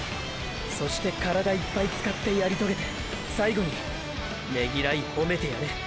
そして体いっぱい使ってやり遂げて最後にねぎらいほめてやれ。